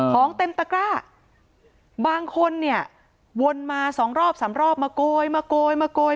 ของเต็มตะกร้าบางคนเนี่ยวนมาสองรอบสามรอบมาโกยมาโกยมาโกย